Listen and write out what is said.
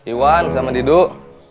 iwan selamat tidur